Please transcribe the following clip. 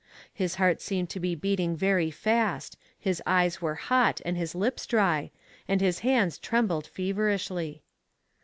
His heart seemed to be beating very fast, his eyes were hot, and his lips dry, and his hands trembled feverishly.